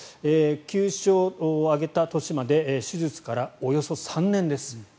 ９勝を挙げた年まで手術からおよそ３年です。